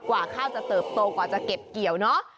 กว่าข้าวจะเติบโตกว่าจะเก็บเกี่ยวเนอะ